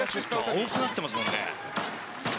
多くなってますもんね。